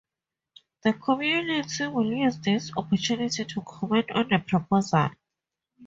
The community will use this opportunity to comment on the proposal.